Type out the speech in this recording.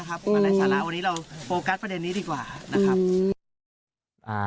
อันนี้เราโฟกัสประเด็นนี้ดีกว่า